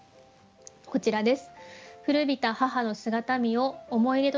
こちらです。